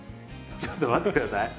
ちょっと待って下さい。